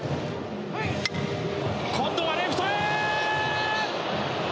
今度はレフトへ！